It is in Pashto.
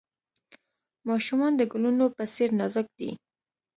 ماشومان د ګلونو په څیر نازک دي.